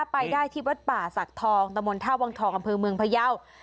ไปได้ที่วัดป่าศักดิ์ทองตะมนต์ท่าวังทองอำเภอเมืองพยาว